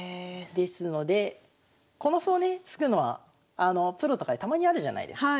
ですのでこの歩をね突くのはプロとかでたまにあるじゃないですか。